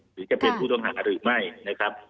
หรือจะเป็นผู้ต้องหาหรือไม่นะครับ